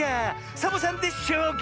サボさんで「しょうが」！